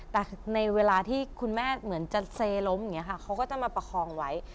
แต่ในเวลาที่คุณแม่เหมือนจะเซล้มอย่างนี้ค่ะเขาก็จะมาประคองไว้